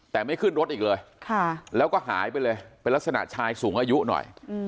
แต่ไม่ขึ้นรถอีกเลยแล้วก็หายไปเลยเป็นลักษณะชายสูงอายุหน่อย